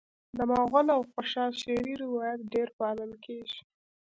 د مغل او خوشحال شعري روایت ډېر پالل کیږي